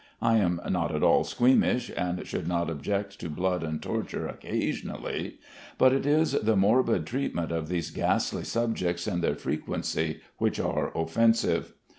I am not at all squeamish, and should not object to blood and torture occasionally, but it is the morbid treatment of these ghastly subjects and their frequency which are offensive.